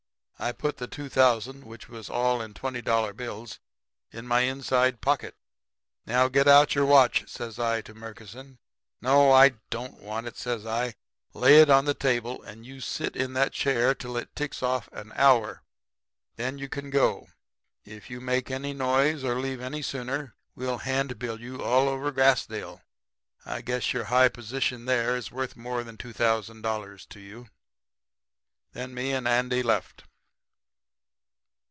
"I put the two thousand, which was all in $20 bills, in my inside pocket. "'Now get out your watch,' says I to Murkison. 'No, I don't want it,' says I. 'Lay it on the table and you sit in that chair till it ticks off an hour. Then you can go. If you make any noise or leave any sooner we'll handbill you all over Grassdale. I guess your high position there is worth more than $2,000 to you.' "Then me and Andy left.